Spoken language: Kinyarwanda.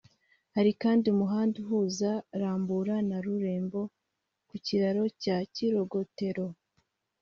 Hari kandi umuhanda uhuza Rambura na Rurembo ku kiraro cya Kirogotero